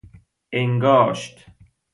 انگاشت